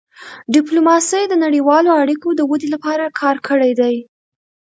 ډيپلوماسي د نړیوالو اړیکو د ودې لپاره کار کړی دی.